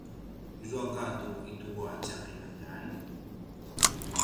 izua gadu itua tja qinaljan?